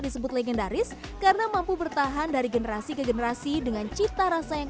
disebut legendaris karena mampu bertahan dari generasi ke generasi dengan cita rasa yang